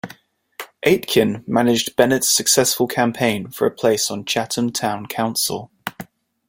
Aitken managed Bennett's successful campaign for a place on Chatham Town Council.